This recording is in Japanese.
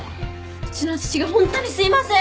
うちの父がホントにすいません！